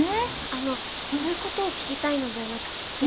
あのそういうことを聞きたいのではなくって。